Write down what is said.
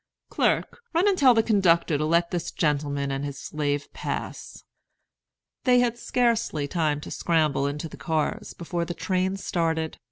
Clerk, run and tell the conductor to let this gentleman and his slave pass." They had scarcely time to scramble into the cars, before the train started.